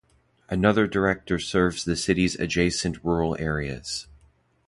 Another director serves the city's adjacent rural areas.